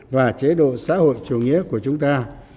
và chế độ xã hội chủ nghĩa của chúng ta